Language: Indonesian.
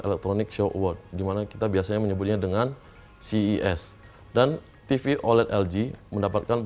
electronic show award dimana kita biasanya menyebutnya dengan ces dan tv oled lg mendapatkan